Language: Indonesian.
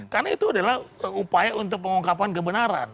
karena itu adalah upaya untuk pengungkapan kebenaran